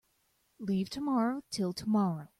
Leave tomorrow till tomorrow.